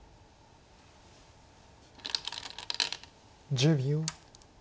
１０秒。